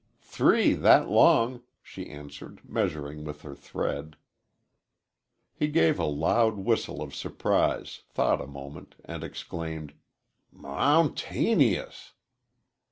"Three that long," she answered, measuring with her thread. He gave a loud whistle of surprise, thought a moment, and exclaimed, "M mountaneyous!"